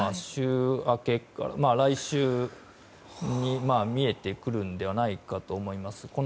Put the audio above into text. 週明け、来週に見えてくるのではないかと思います。